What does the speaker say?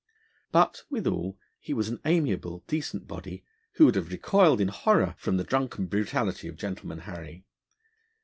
But, withal, he was an amiable decent body, who would have recoiled in horror from the drunken brutality of Gentleman Harry.